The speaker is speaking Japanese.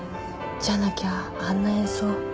じゃなきゃあんな演奏。